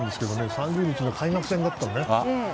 ３０日が開幕戦だったので。